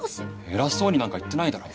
偉そうになんか言ってないだろ！